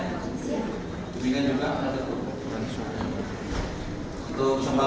duk biknya juga ada hukum